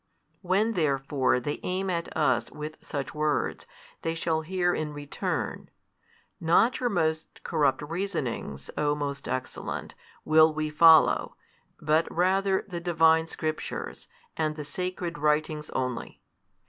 When therefore they aim at us with such words, they shall hear in return, Not your most corrupt reasonings o most excellent, will we follow, but rather the Divine Scriptures and the Sacred Writings only.